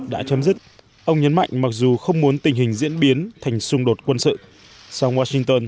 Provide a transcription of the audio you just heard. đã chấm dứt ông nhấn mạnh mặc dù không muốn tình hình diễn biến thành xung đột quân sự sau washington